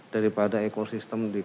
daripada ekosistem di